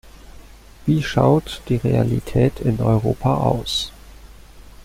Wie schaut die Realität in Europa aus?